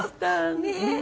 ねえ！